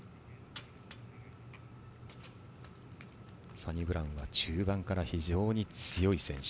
サニブラウンは中盤から非常に強い選手。